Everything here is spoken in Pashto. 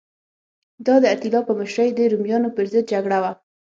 دا د اتیلا په مشرۍ د رومیانو پرضد جګړه وه